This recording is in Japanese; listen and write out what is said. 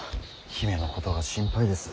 姫のことが心配です。